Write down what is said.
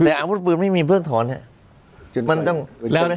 แต่อาวุธปืนไม่มีเพิกถอนมันต้องแล้วไหม